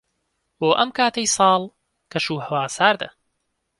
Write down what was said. بۆ ئەم کاتەی ساڵ، کەشوهەوا ساردە.